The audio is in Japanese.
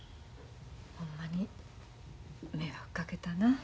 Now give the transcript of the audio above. ほんまに迷惑かけたな。